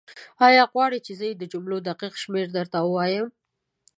ایا غواړې زه یې د جملو دقیق شمېر هم درته ووایم؟